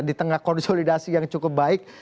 di tengah konsolidasi yang cukup baik